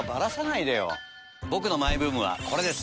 僕のマイブームはこれです。